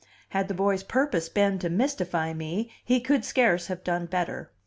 Had the boy's purpose been to mystify me, he could scarce have done better.